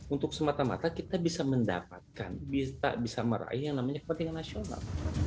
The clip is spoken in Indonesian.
untuk semata mata kita bisa mendapatkan bisa meraih yang namanya kepentingan nasional